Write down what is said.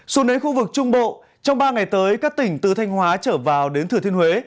xuống đến khu vực trung bộ trong ba ngày tới các tỉnh từ thanh hóa trở vào đến thừa thiên huế